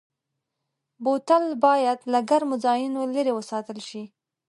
بوتل باید له ګرمو ځایونو لېرې وساتل شي.